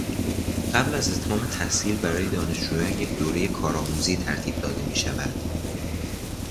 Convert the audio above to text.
قبل از اتمام تحصیل برای دانشجویان یک دورهٔ کارآموزی ترتیب داده میشود.